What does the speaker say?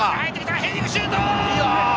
ヘディングシュート！